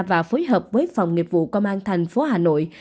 và phối hợp với phòng nghiệp vụ công an thành phố hà nội